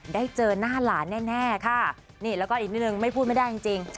ได้เจอหน้าหลานแน่ค่ะนี่แล้วก็อีกนิดนึงไม่พูดไม่ได้จริง